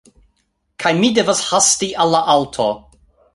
Kaj mi devas hasti al la aŭto